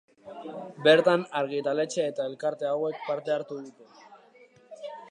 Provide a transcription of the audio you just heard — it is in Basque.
Bertan, argitaletxe eta elkarte hauek parte hartu dute.